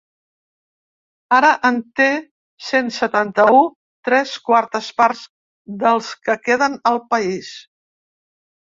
Ara en té cent setanta-u, tres quartes parts dels que queden al país.